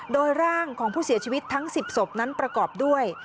โดยร่างของผู้เสียชีวิตทั้ง๑๐ศพนั้นประกอบด้วย